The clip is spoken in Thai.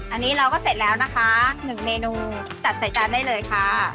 อันนี้เราก็เสร็จแล้วนะคะ๑เมนูจัดใส่จานได้เลยค่ะ